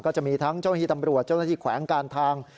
ก็จะมีทั้งเจ้าที่ตำรวจเจ้าหน้าที่แขวงการทาง